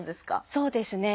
そうですね。